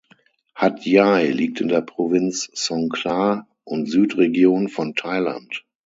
Hat Yai liegt in der Provinz Songkhla und Südregion von Thailand.